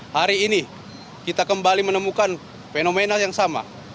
hari ini kita kembali menemukan fenomena yang sama